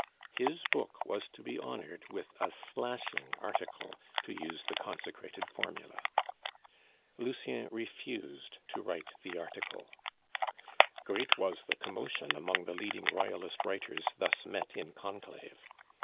His book was to be honored with "a slashing article," to use the consecrated formula. Lucien refused to write the article. Great was the commotion among the leading Royalist writers thus met in conclave.